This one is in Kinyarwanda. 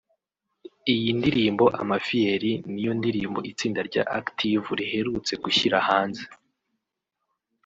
Iyi ndirimbo Amafiyeri niyo ndirimbo itsinda rya Active riherutse gushyira hanze